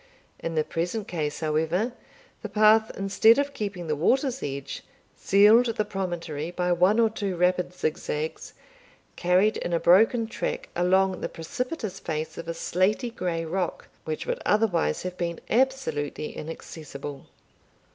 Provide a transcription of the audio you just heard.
In the present case, however, the path, instead of keeping the water's edge, sealed the promontory by one or two rapid zigzags, carried in a broken track along the precipitous face of a slaty grey rock, which would otherwise have been absolutely inaccessible.